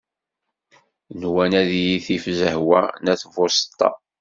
Nwan ad iyi-tif Zehwa n At Buseṭṭa.